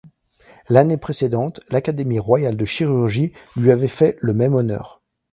L’année précédente, l’Académie royale de chirurgie lui avait fait le même honneur.